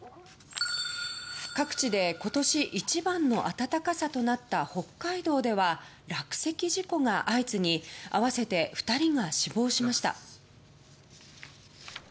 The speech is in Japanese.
各地で今年一番の暖かさとなった北海道では落雪事故が相次ぎ合わせて２人が死亡しました。